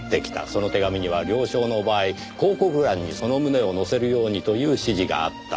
その手紙には了承の場合広告欄にその旨を載せるようにという指示があった。